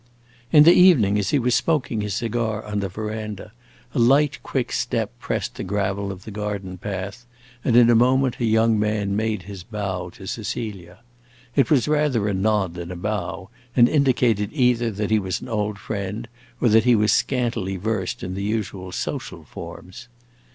In the evening, as he was smoking his cigar on the veranda, a light, quick step pressed the gravel of the garden path, and in a moment a young man made his bow to Cecilia. It was rather a nod than a bow, and indicated either that he was an old friend, or that he was scantily versed in the usual social forms.